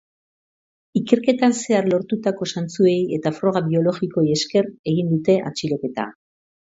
Ikerketan zehar lortutako zantzuei eta froga biologikoei esker egin dute atxiloketa.